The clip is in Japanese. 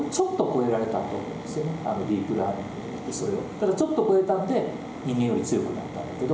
ただちょっと超えたんで人間より強くなったんだけど。